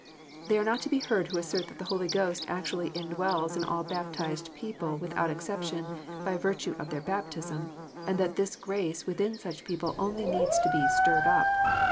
They are not to be heard who assert that the Holy Ghost actually dwells in all baptized people, without exception, by virtue of their baptism, and that this grace within such people only needs to be "stirred up."